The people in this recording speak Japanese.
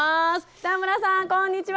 北村さんこんにちは！